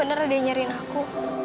emang bener dia nyariin aku